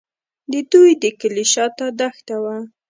د دوی د کلي شاته دښته وه.